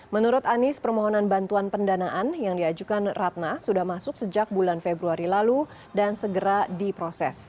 menurut anies permohonan bantuan pendanaan yang diajukan ratna sudah masuk sejak bulan februari lalu dan segera diproses